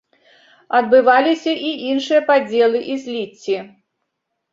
Адбываліся і іншыя падзелы і зліцці.